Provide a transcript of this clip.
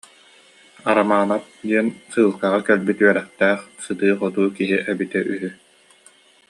Арамаанап диэн сыылкаҕа кэлбит үөрэхтээх, сытыы-хотуу киһи эбитэ үһү